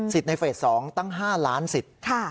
ในเฟส๒ตั้ง๕ล้านสิทธิ์